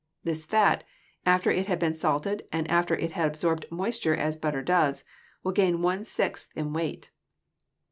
This fat, after it has been salted and after it has absorbed moisture as butter does, will gain one sixth in weight.